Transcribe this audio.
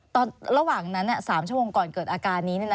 ระหว่างนั้น๓ชั่วโมงก่อนเกิดอาการนี้